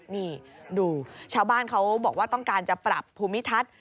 นี่ดูชาวบ้านเขาบอกว่าต้องการจะปรับภูมิทัศน์